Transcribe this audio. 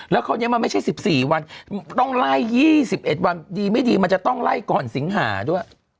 แล้วคราวนี้มันไม่ใช่๑๔วันต้องไล่๒๑วันดีไม่ดีมันจะต้องไล่ก่อนสิงหาด้วย